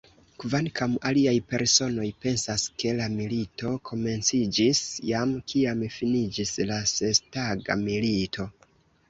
Kvankam aliaj personoj pensas, ke la milito komenciĝis jam, kiam finiĝis la Sestaga Milito.